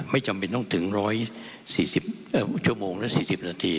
ไม่จำเป็นต้องถึง๑๔๐ชั่วโมงและ๔๐นาที